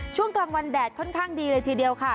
ช่วงกลางวันแดดค่อนข้างดีเลยทีเดียวค่ะ